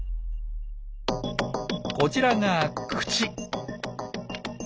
こちらが口。